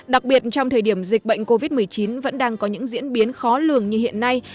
đặc biệt trong thời điểm dịch bệnh covid một mươi chín vẫn đang có những diễn biến khó lường như hiện nay